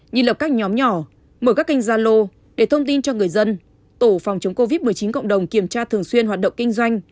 như lập các nhóm nhỏ mở các kênh gia lô để thông tin cho người dân tổ phòng chống covid một mươi chín cộng đồng kiểm tra thường xuyên hoạt động kinh doanh